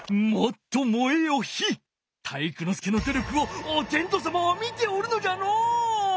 介のどりょくをおてんとさまは見ておるのじゃのう！